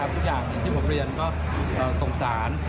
ทุกอย่างอย่างที่ผมเรียนก็สงสาร